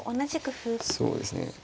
そうですね。